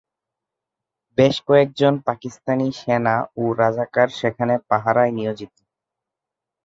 বেশ কয়েকজন পাকিস্তানি সেনা ও রাজাকার সেখানে পাহারায় নিয়োজিত।